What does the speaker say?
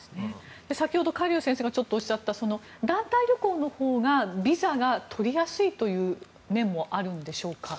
先ほどカ・リュウ先生がおっしゃった団体旅行のほうがビザが取りやすいという面もあるんでしょうか。